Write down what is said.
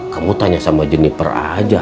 kamu tanya sama jenniper aja